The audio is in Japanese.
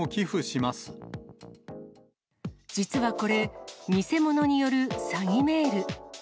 実はこれ、偽者による詐欺メール。